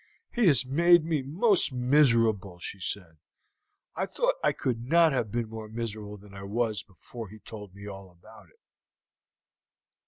"He has made me most miserable," she said. "I thought I could not have been more miserable than I was before he told me all about it."